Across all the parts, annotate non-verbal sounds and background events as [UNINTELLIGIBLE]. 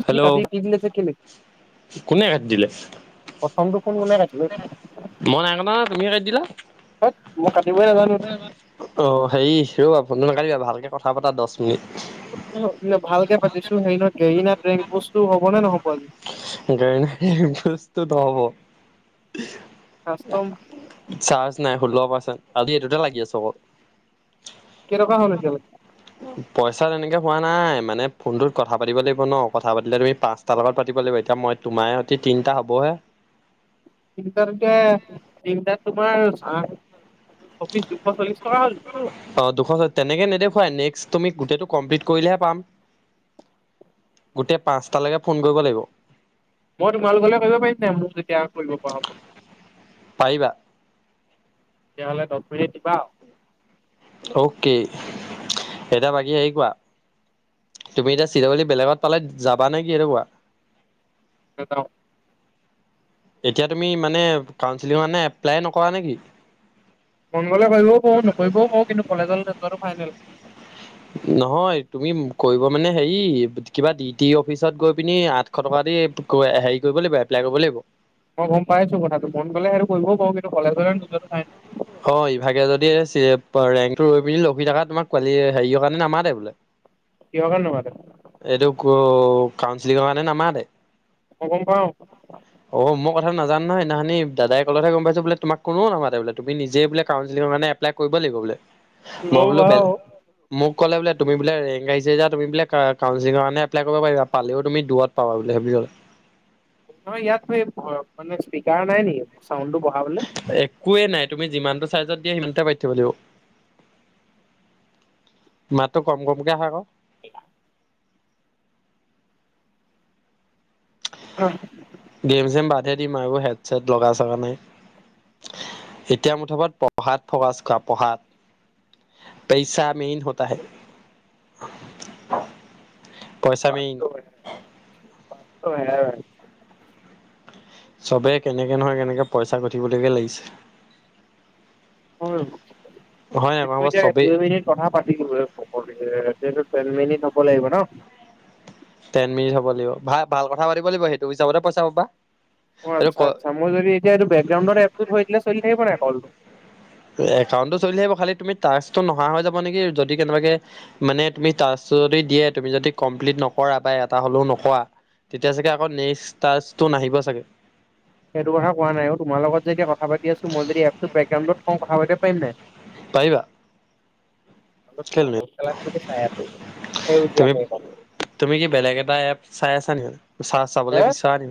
আপুনি হেল্ল' কাটি দি দিলে যে কেলে? কোনে কাটি দিলে প্ৰথমটো কোন কোনে কাটিলে? মই নাই কটা নহয়, তুমিহে কাটি দিলা। ধেত মই কাটিবই অ হেৰি ৰ'বা ফোননো নাকাইবা ভালকে কথা পতা দচ ভালকে পাতিছো হেৰি নহয় গৰিনাত ৰেংক পস্তটো হ'ব নে নহ'ব আজি। গেৰিন ফষ্টটো নহ'ব। আস্তম চাৰ্জ নাই ষোল্ল অব আছে, আজি এইটোতে লাগি আছু অক। কেনেকুৱা হ'ল এতিয়া লৈ পইচা তেনেকে হোৱা নাই মানে ফোনটোত কথা পাতিব লাইব ন কথা পাতিলে তুমি পাঁচটা লগত পাতি ব লাইব এতিয়া মই তোমাৰ সতি তিনিটা হ'বহে। তিনিটাত এতিয়া তিনিটাত তোমাৰ আ চৌবিশ দুশ চল্লিশ। টকা হ'ল অ দুশ হয় তেনেকে নেদেখুৱাই নেক্স তুমি গোটটো কমপ্লিট কৰিলেহে পাম। গোটে পাঁচটালেকে ফোন কইব লাইব। মই তোমালোকলে কইব পাইম নাই মোক যেতিয়া কইব পোৱা হ'ব? পাইবা। তেতিয়াহ'লে দচ মিনিট দিবা আউ। অউকে, এটা বাকী আহি কোৱা। তুমি এতিয়া চিৰঅলি বেলেগত পালে যাবা নেকি সেটো কোৱা? [INAUDIBLE] এতিয়া তুমি মানে কাউঞ্চিলিঙৰ আনে এপ্লাইয়ে নকৰা নেকি? মনগলে কইবউ পাউ নকইবউ পাউ কিন্তু কলেজলে নযোৱাটো ফাইনেল। হয় তুমি উম কৰিব মানে হেৰি কিবা ডি টি অফিচত গৈ পিনি আঠশ টকা দি এ হেৰি কইব লাগিব এপ্লাই কইব লাগিব। মই গম পাইছো কথাটো মনগ'লে আৰু কৰিবউ পাৰো কিন্তু কলেজলে নোযোৱাটো ফাইনেল। অ ইভাগে যদি এ চি এপৰ ৰেংকটো ৰৈ পিনি লখি থকা তোমাক কোৱালিয়ে হেৰিয়ৰ কাৰণে নামাতে বোলে। কিহৰ কাৰণে নোমাতে এইটো ক কাউঞ্চিলিংৰ আণে নামাতে। [UNINTELLIGIBLE] নাজান নহয় সেইদিনা খনি দাদাই কলতহে গম পাইছো বোলে তোমাক কোনো নমাতে বোলে। তুমি নিজেই বোলে কাউঞ্চিলিংৰ এপ্লাই কইব লিইব বোলে মই ল'ব বোলো বেল বাৰু ম ক'লে বোলে তুমি বোলে ৰেং আহিছে আ তুমি বোলে কাউঞ্চিলিৰ কাৰণে এপ্লাই কইব পাইবা পালেও তুম দূৰত পাবা বুলি ভাবি অল। হয় নহয় ইয়াত পে বহৰক মানে স্পীকাৰ নাই নেকি চাউনটো বঢ়াবলে? একোৱে নাই তুমি যিমানটো চাইজত দিয়া সিমানটো পইত থব লাইব। মাতটো কম কমকে আহে আকো [INAUDIBLE] গেম চেম বাদে দিম আৰু হেড চেট লগা চগা নাই। এতিয়া মুঠপত পঢ়াত ফৱাচ কোৱা পঢ়াত। পেইচা মেইন হতা হে। পইচা মেইন। বাপটো [UNINTELLIGIBLE] চবেই কেনেকে নহয় কেনেকে পইচা ঘটিবলৈকে লাগিছে। [UNINTELLIGIBLE] হয় নাই কোৱা এতিয়া চবেই দুই মিনিট কথা পাতিলো [UNINTELLIGIBLE] তেন মিনিত হব লাগিব ন'। টেন মিনিট হ'ব লাইব ভা ভাল কথা পাতিব লাইব সেইটো হিচাপতহে পইচা পাবা। অ আচ্ছা সেইটো আচ্ছা, মই যদি এতিয়া এইটো বেকগ্ৰাউণ্ডত এপটো থৈ দিলে চলি থাকিব নাই কলটো? একাউণ্টটো চলি হিব খালি তুমি ত টো নহা হৈ যাব নেকি যদি কেনেবাকে মানে তুমি টাচটো যদি দিয়ে তুমি যদি কম্লিত ন কৰা পাই এটা হ'লেও নকোৱা তেতিয়া চাগে আকৌ নেক্সট টাচটো নাহিব চাগে। সেইটো কথা কোৱা নাই অ তোমাৰ লগত যেতিয়া কথা পাতি আছো মই যদি এপটো বেকগ্ৰউত থওঁ কথা পাতিব পাৰিম নাই? পাৰিবা? [UNINTELLIGIBLE] অকন তুমি-তুমি কি বেলেগ এটা এপ চাই আছা নি মানে? চা-চাবলৈ হে বিচৰা নি,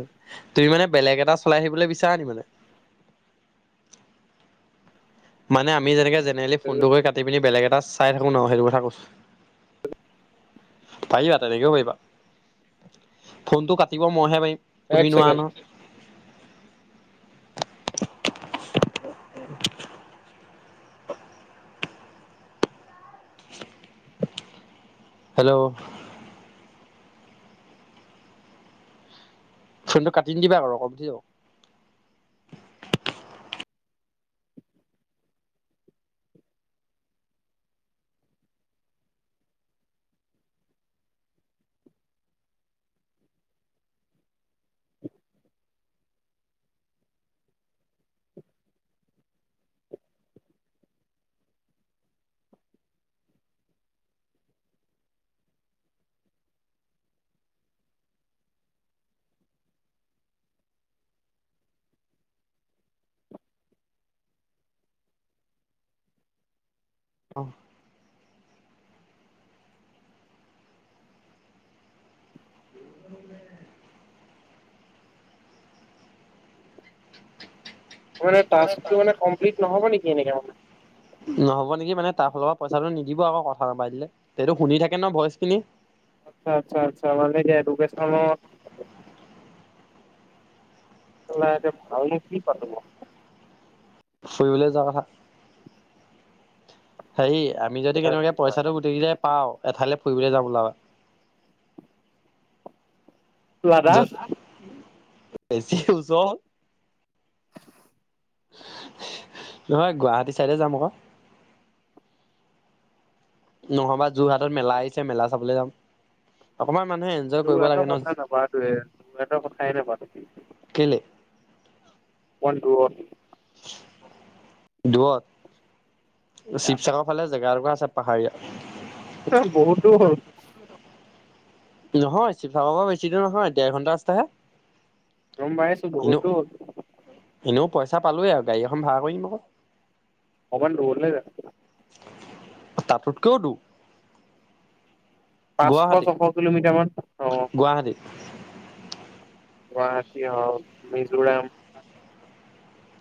তুমি মানে বেলেগ এটা চলাই থাকিবলৈ বিচাৰা নি মানে? মানে আমি যেনেকে জেনেৰেলি ফোনটো কৰি কাটি পিনি বেলেগ এটা চাই থাকো ন', সেইটো কথা কৈছোঁ। পাৰিবা তেনেকেও পাৰিবা, ফোনটো কাটিব মইহে পাৰিম। এক তুমি নোৱাৰা ছেকেণ্ড নহয়। হেল্ল'? ফোনটো কাটি নিদিবা আকৌ, [UNINTELLIGIBLE] উঠি যাব। আহ। অ', মানে টাস্কটো মানে কমপ্লিট নহব নেকি এনেকে মানে? নহ'ব নেকি মানে, তাৰ ফালৰ পৰা পইচাটো নিদিব আকৌ কথা নাপাতিলে। সেইটো শুনি থাকে নহয় ভইচ খিনি। আচ্ছা, আচ্ছা, আচ্ছা, [UNINTELLIGIBLE] এদুৱেকচনত [UNINTELLIGIBLE] এতিয়া ভাল নো কি পাতো বাৰু। ফুৰিবলৈ যাওঁ আহা। হেৰি আমি যদি কেনেকেবাকে পইচাটো গোটেইকেইটাই পাওঁ, এঠাইলে ফুৰিবলে যাম ওলাবা। লাডা য, বেছি ওচৰ হল। নহয় গুৱাহাটী চাইডে যাম আকৌ। নহবা যোৰহাটত মেলা আহিছে, মেলা চাবলৈ যাম। অকমান মানুহে এনজয় কৰিব যোৰহাটৰ লাগে ন কথা নাপাতোৱে, যোৰহাটৰ কথাই নাপাতো। কেলে [UNINTELLIGIBLE] দূৰত, শিৱসাগৰৰ ফালে জেগা এটুকুৰা আছ পাহাৰীয়া। অ', বহুত দূৰ হ'ল। নহয়, শিৱসাবৰ পৰা বেছি দূৰ নহয়, দেৰ ঘন্টা ৰাস্তাহে। গম পাইছোঁ, এনেও বহুত দূৰ হ'ল। এনেও পইচা পালোৱে আৰু গাড়ী এখন ভাড়া কৰি নিম আকৌ। অকমান দুৰলে যা অ', তাতোতকৈও দূৰ। পাঁচশ-ছশ গুৱাহাটী কিলোমিটাৰ মান, অ'। গুৱাহাটী গুৱাহাটী হক, মিজোৰাম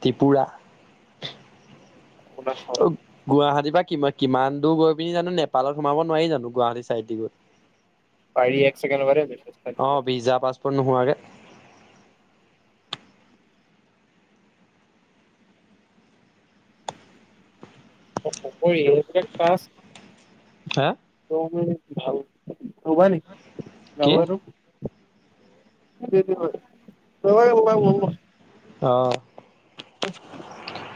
ত্ৰিপুৰা। অৰুণাচল অ', গুৱাহাটী কিমা-কিমান দূৰ গৈ পিনি জানো নেপালত সোমাব নোৱাৰি জানো, গুৱাহাটী চাইড দি গৈ পাৰি, এক চেকেণ্ড ৰবা দেই, মেছেজ এটা দি লৈছো। নোহোৱাকৈ [UNINTELLIGIBLE] টাস্ক। হা কি [UNINTELLIGIBLE] [UNINTELLIGIBLE] অ'। [INAUDIBLE]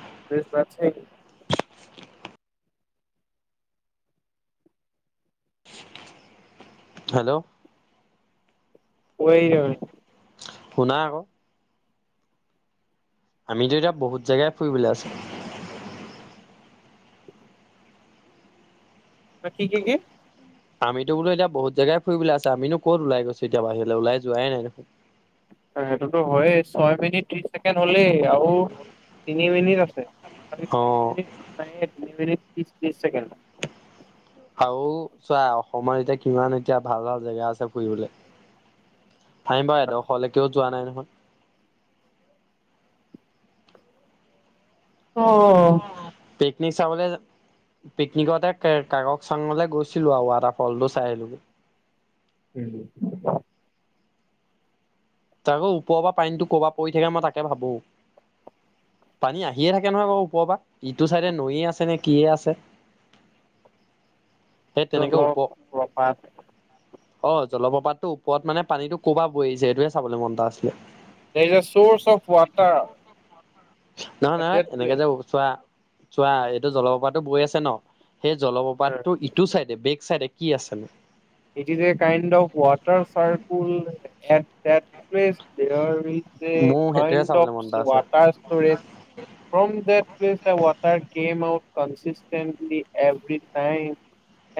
[UNINTELLIGIBLE] হেল্ল'। [UNINTELLIGIBLE] শুনা আকৌ। আমিতো এতিয়া বহুত জেগাই ফুৰিবলৈ আছে। কি কি কি? আমিতো বোলো এতিয়া বহুত জেগাই ফুৰিবলৈ আছে, আমিনো ক'ত ওলাই গৈছো এতিয়া বাহিৰলৈ, ওলাই যোৱাই নাই দেখোন। সেইটোতো হয়ে, ছয় মিনিট ত্ৰিশ ছেকেণ্ড হ'ল। আৰু তিনি মিনিট আছে, অ চাৰি মিনিট নাই তিনি মিনিট। ত্ৰিশ, ত্ৰিশ ছেকেণ্ড। আৰু চোৱা, অসমত এতিয়া কিমান এতিয়া ভাল ভাল জেগা আছে ফুৰিবলৈ। ভাই মই, এডোখৰলৈকেও যোৱা নাই নহয়। অ'। নি চাবলৈ পিকনিকতে কাককচাঙলে গৈছিলোঁ আৰু ৱাটাৰ ফলটো চাই আহিলো। উম [UNINTELLIGIBLE] তাকো ওপৰৰ পৰা পানীটো ক'ৰ পৰা পৰি থাকে মই তাকে ভাবো। পানী আহিয়ে থাকে নহয় বাৰু ওপৰৰ পৰা, ইটো চাইডে নৈয়ে আছে নে কিয়ে আছে। [INAUDIBLE] সেই তেনেকে ওপৰ জল-প্ৰপাত। অ', জলপ্ৰপাতটো ওপৰত মানে পানীটো ক'ৰ পৰা পৰিছে, সেইটোহে চাবলৈ মন এটা আছিলে। There is a source of water. নহয় এট নহয় দেট এনেকে প্লেচ। যে চোৱা চোৱা এইটো জলপ্ৰপাতো বৈ আছে ন। সেই জলপ্ৰপাতটো ইটো চাইডে বেক চাইডে কি আছেনো। It is a kind of water circle at that place there is এই মোৰ সেইটোহে কাইণ্ড অফ চাবলৈ মন এটা আছে water storage. From that place a water came out consistently every time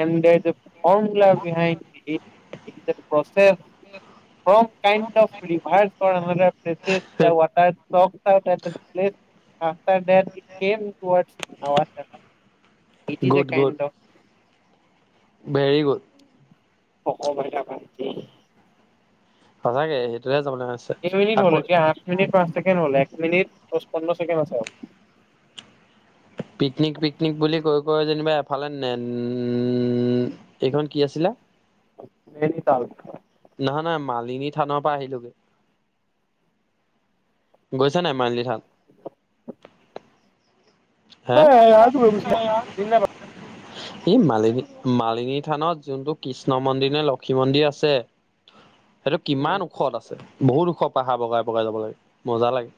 and [UNINTELLIGIBLE] [UNINTELLIGIBLE] it is a process. From kind [UNINTELLIGIBLE] [INAUDIBLE] [UNINTELLIGIBLE] it is a kind of. ভেৰীগুদ। [UNINTELLIGIBLE] সঁচাকে সেইটো কেই মিনিট হল এতিয়া আঠ মিনিট পাঁচ ছেকেণ্ড হল এক মিনিট পোন্ধৰ ছেকেণ্ড আছে আৰু। পিকনিক পিকনিক বুলি কৈ কয় কয় যেনিবা এফালে নে উম এইখন কি আছিলে নহয় নহয় মাল লিনি থানৰ পৰা আহিলোগে। গৈছা নাই মালিনী থান? হে [UNINTELLIGIBLE] এই মালিনী মালিনী থানত যোনটো কৃষ্ণ মন্দিৰ নে লক্ষী মন্দিৰ আছে। সেইটো কিমান ওখত আছে বহুত ওখ। পাহাৰ বগাই বগাই যাব লাগে মজা লাগে।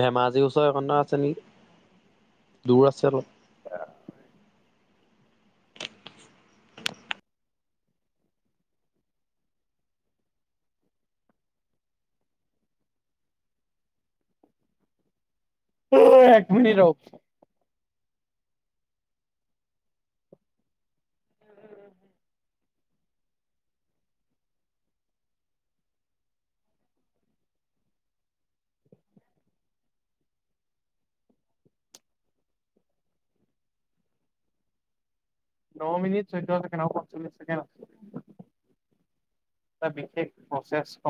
ধেমাজিৰ ওচৰ এখন গাওঁ আছে নেকি দূৰ আছে অলপ। অ'। অই এক মিনিট ৰহ। ন মিনিট চৌধ্য ছেকেন আৰু পঞ্চলিচ ছেকেড আছে। এটা বিশেষ প্ৰচেছসমূহ